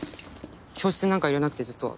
教室になんかいられなくてずっとは。